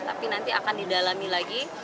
tapi nanti akan didalami lagi